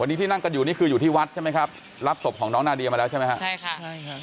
วันนี้ที่นั่งกันอยู่นี่คืออยู่ที่วัดใช่ไหมครับรับศพของน้องนาเดียมาแล้วใช่ไหมฮะใช่ค่ะใช่ค่ะ